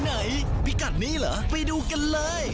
ไหนพิกัดนี้เหรอไปดูกันเลย